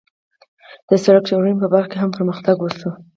د سړک جوړونې په برخه کې هم پرمختګ وشو.